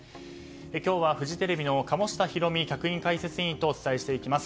今日は、フジテレビの鴨下ひろみ客員解説委員とお伝えしていきます。